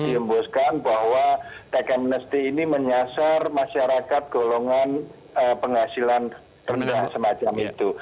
dihembuskan bahwa tagang mnesti ini menyasar masyarakat golongan penghasilan rendah semacam itu